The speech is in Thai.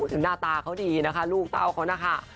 หน้าตาเขาดีนะคะลูกเต้าเขานะคะ